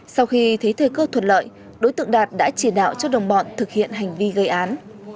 sau khi thấy thời cơ thuận lợi đối tượng đạt đã chỉ đạo cho đồng bọn thực hiện hành vi gây án